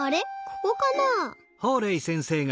ここかなあ？